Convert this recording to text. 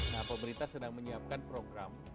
nah pemerintah sedang menyiapkan program